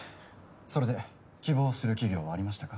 それで希望する企業はありましたか？